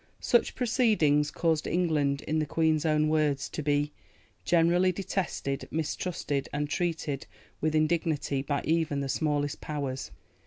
Such proceedings caused England, in the Queen's own words, to be "generally detested, mistrusted, and treated with indignity by even the smallest Powers."